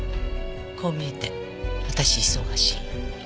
こう見えて私忙しいの。